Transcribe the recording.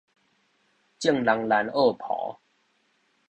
眾人僫扶